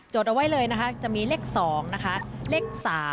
โจทย์จะไว้เลยนะคะเฬ็ก๒